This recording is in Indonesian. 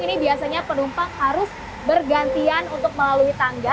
ini biasanya penumpang harus bergantian untuk melalui tangga